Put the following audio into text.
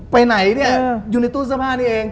ไปไหนเนี่ยอยู่ในตู้เสื้อผ้านี้เอง